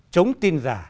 chống tin già